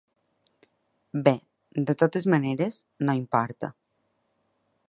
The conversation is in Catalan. Bé, de totes maneres, no importa.